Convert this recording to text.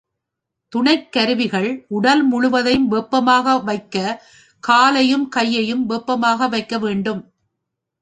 துணைக் கருவிகள் உடல் முழுவதையும் வெப்பமாக வைக்கக் காலையும், கையையும் வெப்பமாக வைக்கவேண்டும்.